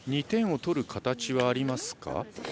２点を取る形はありますか？